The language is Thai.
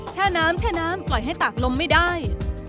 แช่น้ำแช่น้ำปล่อยให้ตากลมไม่ได้